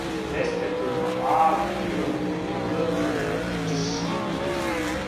респективно ав, бг, вд, ..., чш.